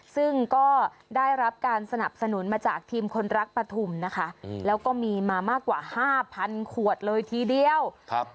ซึ่งก็ได้รับการสนับสนุนมาจากทีมคนรักปฐุมนะคะอืมแล้วก็มีมามากกว่าห้าพันขวดเลยทีเดียวครับ